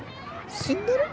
死んでる？